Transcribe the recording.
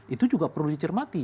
itu juga perlu dicermati